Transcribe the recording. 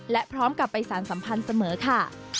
และพร้อมกลับไปสารสัมพันธ์เสมอค่ะ